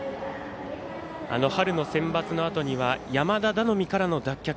春のセンバツのあとには山田頼みからの脱却。